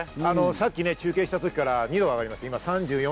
さっき中継した時から２度上がりました。